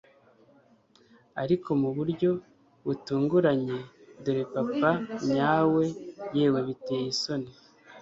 Ariko mu buryo butunguranye dore papa nyawe yewe biteye isoni